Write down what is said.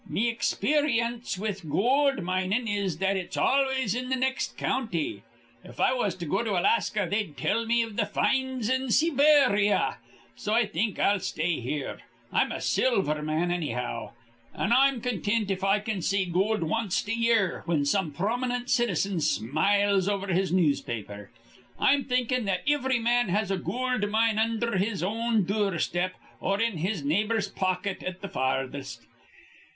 "Me experyence with goold minin' is it's always in th' nex' county. If I was to go to Alaska, they'd tell me iv th' finds in Seeberya. So I think I'll stay here. I'm a silver man, annyhow; an' I'm contint if I can see goold wanst a year, whin some prominent citizen smiles over his newspaper. I'm thinkin' that ivry man has a goold mine undher his own dure step or in his neighbor's pocket at th' farthest."